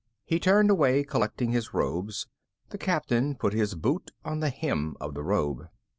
He turned away, collecting his robes. The Captain put his boot on the hem of the robe.